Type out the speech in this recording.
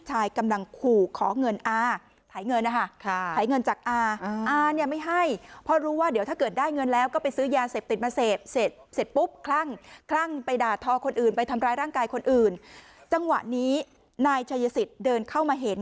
หักทอคนอื่นไปทำร้ายร่างกายคนอื่นจังหวะนี้นายชายสิตเดินเข้ามาเห็น